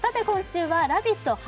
今週は「ラヴィット！」